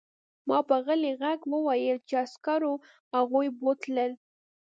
ما په غلي غږ وویل چې عسکرو هغوی بوتلل